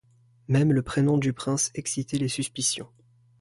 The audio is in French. Même le prénom du prince excitait les suspicions.